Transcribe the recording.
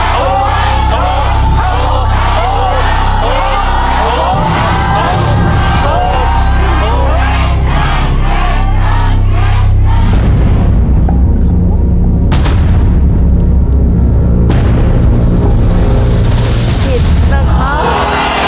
ตระก็ด